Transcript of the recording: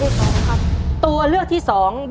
จิตตะสังวโรครับ